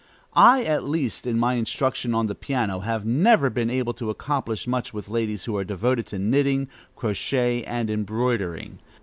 I at least, in my instruction on the piano, have never been able to accomplish much with ladies who are devoted to knitting, crochet, and embroidering.